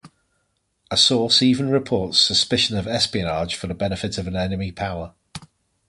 A source even reports suspicion of espionage for the benefit of an enemy power.